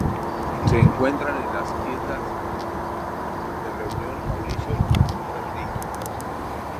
Se encuentran en la isla de Reunión, Mauricio y las Islas Ryukyu.